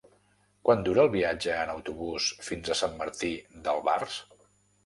Quant dura el viatge en autobús fins a Sant Martí d'Albars?